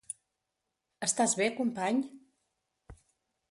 Estàs bé company?